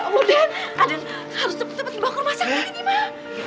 aduh aden harus cepet cepet bawa kurma sakit ini ma